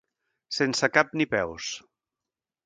Sense cap ni peus.